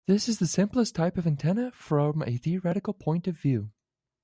This is the simplest type of antenna from a theoretical point of view.